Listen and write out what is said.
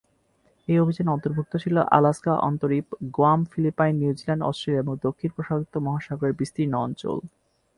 এই অভিযানের অন্তর্ভুক্ত ছিল আলাস্কা অন্তরীপ গুয়াম ফিলিপাইন নিউজিল্যান্ড অস্ট্রেলিয়া এবং দক্ষিণ প্রশান্ত মহাসাগরের বিস্তীর্ণ অঞ্চল।